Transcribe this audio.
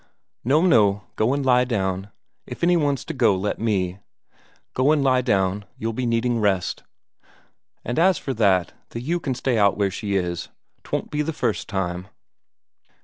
"No, no, go and lie down. If any one's to go, let me. Go and lie down, you'll be needing rest. And as for that, the ewe can stay out where she is 'twon't be the first time."